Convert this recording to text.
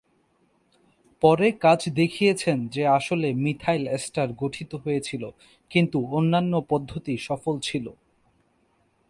পরে কাজ দেখিয়েছেন যে আসলে মিথাইল এস্টার গঠিত হয়েছিল, কিন্তু অন্যান্য পদ্ধতি সফল ছিল।